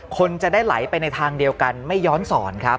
คนจะได้ไหลไปในทางเดียวกันไม่ย้อนสอนครับ